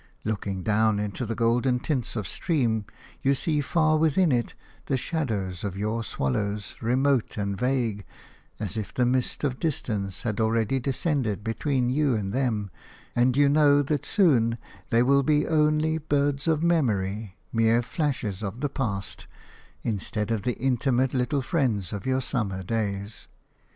Looking down into the golden tinted stream you see far within it the shadows of your swallows, remote and vague, as if the mist of distance had already descended between you and them, and you know that soon they will be only birds of memory, mere flashes of the past, instead of the intimate little friends of your summer days.